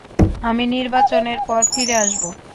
আমি নির্বাচনের পর ফিরে আসব।